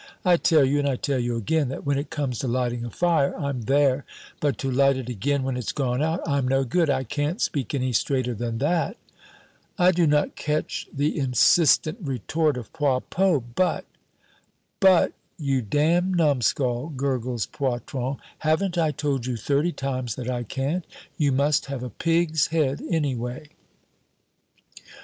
I tell you and I tell you again that when it comes to lighting a fire, I'm there, but to light it again when it's gone out, I'm no good. I can't speak any straighter than that." I do not catch the insistent retort of Poilpot, but "But, you damned numskull," gurgles Poitron, "haven't I told you thirty times that I can't? You must have a pig's head, anyway!"